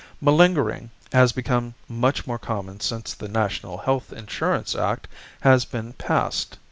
Malingering has become much more common since the National Health Insurance Act has been passed.